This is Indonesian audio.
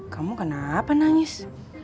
kamu kenapa nangis